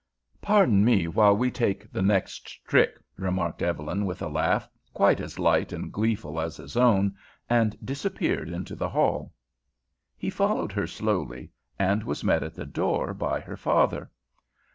"Pardon me while we take the next trick," remarked Evelyn with a laugh quite as light and gleeful as his own, and disappeared into the hall. He followed her slowly, and was met at the door by her father.